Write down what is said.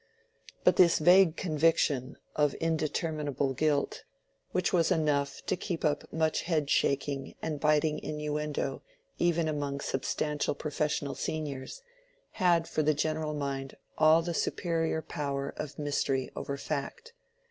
But this vague conviction of indeterminable guilt, which was enough to keep up much head shaking and biting innuendo even among substantial professional seniors, had for the general mind all the superior power of mystery over fact.